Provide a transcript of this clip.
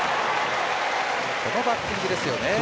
このバッティングですよね。